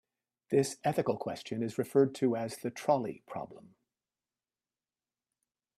This ethical question is referred to as the trolley problem.